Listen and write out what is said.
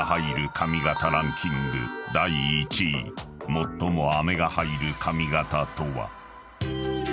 ［最もアメが入る髪型とは？］